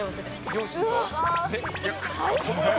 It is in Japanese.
両親と？